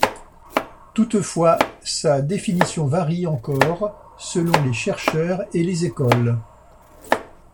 Toutefois, sa définition varie encore selon les chercheurs et les écoles.